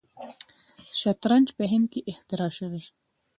شطرنج په هند کې اختراع شوی.